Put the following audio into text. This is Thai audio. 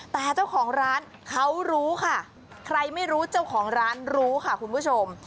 แต่เจ้าของร้านเขารู้ค่ะใครไม่รู้เจ้าของร้านรู้ค่ะคุณผู้ชม